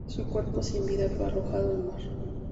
Su cuerpo sin vida fue arrojado al mar.